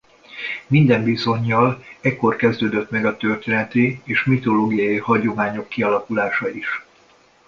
Minden bizonnyal ekkor kezdődött meg a történeti és a mitológiai hagyományok kialakulása is.